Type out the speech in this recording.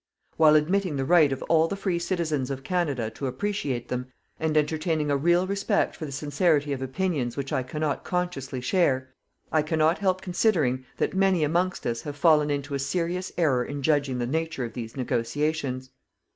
While admitting the right of all the free citizens of Canada to appreciate them, and entertaining a real respect for the sincerity of opinions which I cannot conscientiously share, I cannot help considering that many amongst us have fallen into a serious error in judging the nature of these negotiations.